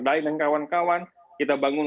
dan kawan kawan kita bangun